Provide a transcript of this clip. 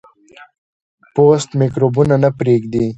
پوست میکروبونه نه پرېږدي.